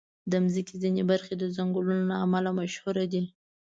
د مځکې ځینې برخې د ځنګلونو له امله مشهوري دي.